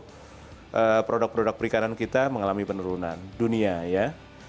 jadi produk produk perikanan kita mengalami penurunan dunia